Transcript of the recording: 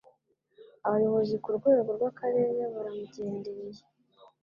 Abayobozi ku rwego rw'Akarere baramugendereye